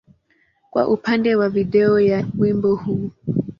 kwa upande wa video ya wimbo huu.